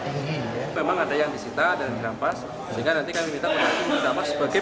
tinggi memang ada yang disita dan dirampas sehingga nanti kami minta penerima sebagai